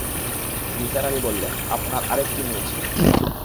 নিসার আলি বললেন, আপনার আরেকটি মেয়ে ছিল।